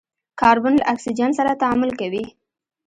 کاربن له اکسیجن سره تعامل کوي.